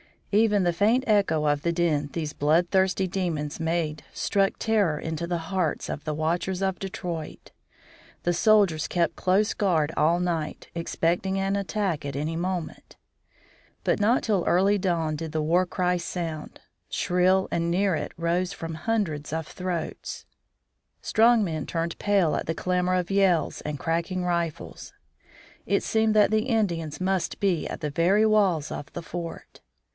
Even the faint echo of the din these blood thirsty demons made struck terror into the hearts of the watchers in Detroit. The soldiers kept close guard all night, expecting an attack at any moment. But not till early dawn did the war cry sound. Shrill and near it rose from hundreds of throats. Strong men turned pale at the clamor of yells and cracking rifles. It seemed that the Indians must be at the very walls of the fort.